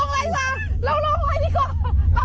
ด้านนี้งั้น